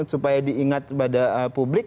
supaya diingat pada publik